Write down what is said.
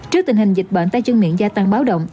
trước tình hình dịch bệnh tay chân miệng gia tăng báo động